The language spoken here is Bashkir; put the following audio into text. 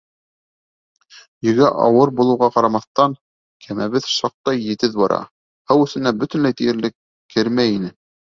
Йөгө ауыр булыуға ҡарамаҫтан, кәмәбеҙ шаҡтай етеҙ бара, һыу эсенә бөтөнләй тиерлек кермәй ине.